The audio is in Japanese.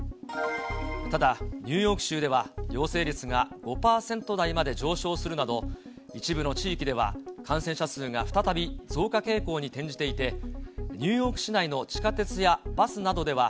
ただニューヨーク州では、陽性率が５％台まで上昇するなど、一部の地域では感染者数が再び増加傾向に転じていて、ニューヨーク市内の地下鉄やバスなどでは、